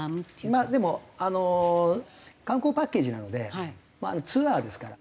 まあでもあの観光パッケージなのでツアーですから。